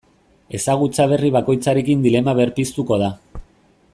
Ezagutza berri bakoitzarekin dilema berpiztuko da.